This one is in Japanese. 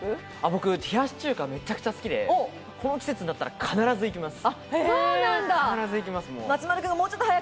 僕、冷やし中華めちゃくちゃ好きで、この季節になったら必ず行きます。